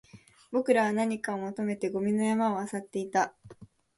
僕らは何かを求めてゴミの山を漁っていた